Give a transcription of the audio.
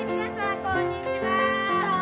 こんにちは。